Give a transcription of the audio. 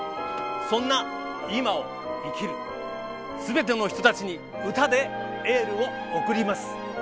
そんな、今を生きるすべての人たちに歌でエールを送ります。